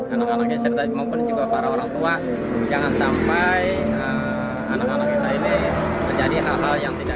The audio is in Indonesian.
anak anak yang serta juga para orang tua